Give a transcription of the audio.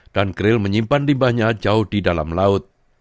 dan kerel menyimpan limbahnya jauh di dalam laut